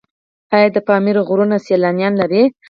آیا د پامیر غرونه سیلانیان لري؟